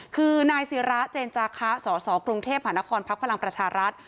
คือนายศิราเจนจาคะสสกรุงเทพฯหานครพักพลังประชารัฐ